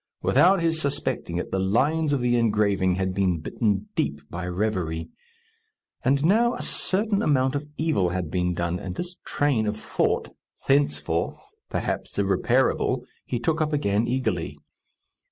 Without his suspecting it, the lines of the engraving had been bitten deep by reverie. And now a certain amount of evil had been done, and this train of thought, thenceforth, perhaps, irreparable, he took up again eagerly.